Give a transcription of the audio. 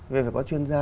về phải có chuyên gia